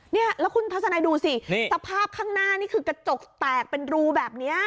เนี่ยแล้วคุณทัศนัยดูสิสภาพข้างหน้านี่คือกระจกแตกเป็นรูแบบนี้